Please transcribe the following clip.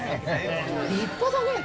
立派だねえ！